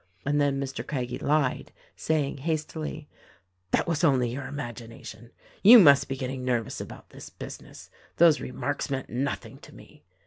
And then Mr. Craggie lied, saying hastily : "That was only your imagination ; you must be getting nervous about this business — those remarks meant nothing to me.